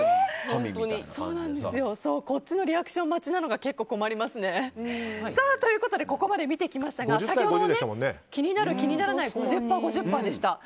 こっちのリアクション待ちなのが結構、困りますね。ということでここまで見てきましたが先ほど、気になる気にならない５０％５０％でした。